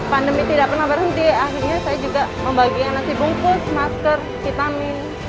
pandemi tidak pernah berhenti akhirnya saya juga membagikan nasi bungkus masker vitamin